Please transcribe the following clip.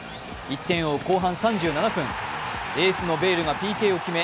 １点を追う後半３７分、エースのベイルがＰＫを決め